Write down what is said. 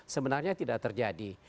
sebenarnya tidak terjadi